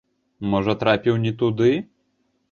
Можа, трапіў не туды?